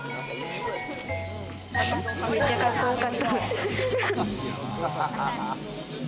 めっちゃかっこよかった。